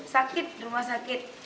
sakit rumah sakit